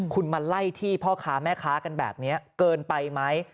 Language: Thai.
คุณมาไล่ที่พ่อค้าแม่ค้ากันแบบนี้เกินไปไหม